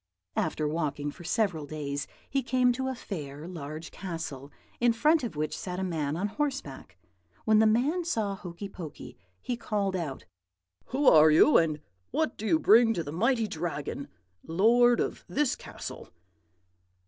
"After walking for several days, he came to a fair, large castle, in front of which sat a man on horseback. When the man saw Hokey Pokey, he called out, "'Who are you, and what do you bring to the mighty Dragon, lord of this castle?'